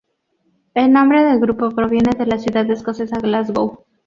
El nombre del grupo proviene de la ciudad escocesa Glasgow.